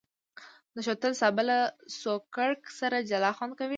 د شوتل سابه له سوکړک سره جلا خوند کوي.